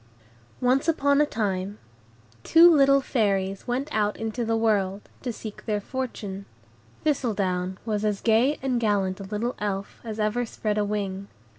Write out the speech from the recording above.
Once upon a time, two little Fairies went out into the world, to seek their fortune. Thistledown was as gay and gallant a little Elf as ever spread a wing.